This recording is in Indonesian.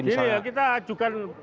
jadi kita ajukan